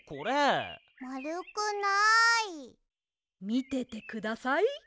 みててください。